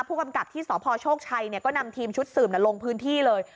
ผู้กำกับที่สพโชคชัยก็นำทีมชุดสืบลงพื้นที่เลย